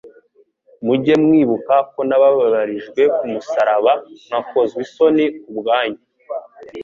mujye mwibuka ko nabababarijwe ku musaraba, ngakozwa isoni ku bwanyu.